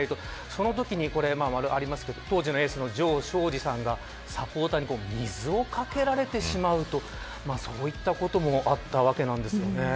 そのときにありますが当時のエースの城彰二さんがサポーターに水をかけられてしまうとそういったこともあったわけです。